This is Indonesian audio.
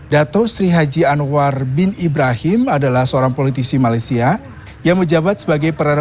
dato sri haji anwar bin ibrahim adalah seorang politisi malaysia yang menjabat sebagai perdana